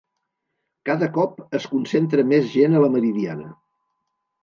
Cada cop es concentra més gent a la Meridiana